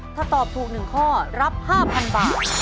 ถ้าตอบถูก๑ข้อรับ๕๐๐๐บาท